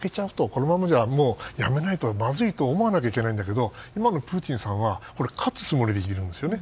このままじゃ、やめないとまずいと思わないといけないんだけど今のプーチンさんは勝つつもりでいるんですよね。